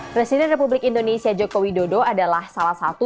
presiden republik indonesia jokowi dodo adalah salah satu